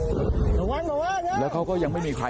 พวกมันกลับมาเมื่อเวลาที่สุดพวกมันกลับมาเมื่อเวลาที่สุด